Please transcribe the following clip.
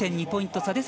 ２．２ポイント差